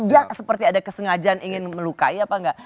nggak seperti ada kesengajaan ingin melukai apa enggak